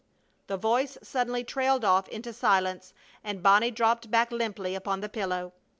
The voice suddenly trailed off into silence and Bonnie dropped back limply upon the pillow.